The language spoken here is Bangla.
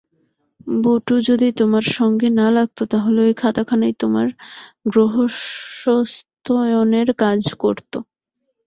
বটু যদি তোমার সঙ্গে না লাগত তাহলে ওই খাতাখানাই তোমার গ্রহস্বস্ত্যয়নের কাজ করত।